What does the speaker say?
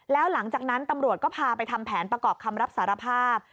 แล้วหลังจากนั้นตำรวจก็พาไปทำแผนประกอบคำรับสารภาพ